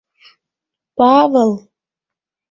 Павыл!